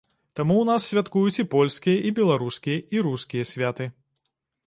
Таму ў нас святкуюць і польскія, і беларускія, і рускія святы.